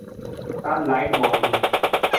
তার লাইট বন্ধ।